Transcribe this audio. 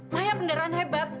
maya pendarahan hebat